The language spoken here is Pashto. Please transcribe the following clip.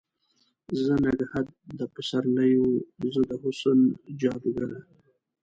زه نګهت د پسر لیو، زه د حسن جادوګره